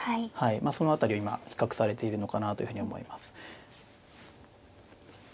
まあその辺りを今比較されているのかなというふうに思います。